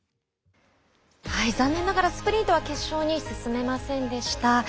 残念ながらスプリントは決勝に進めませんでした。